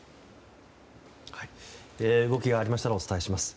動きがありましたらお伝えします。